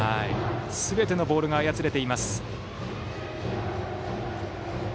すべてのボールが操れています。